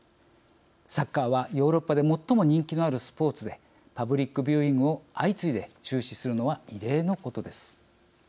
サッカーはヨーロッパで最も人気のあるスポーツでパブリックビューイングを相次いで中止するのは異例のことです。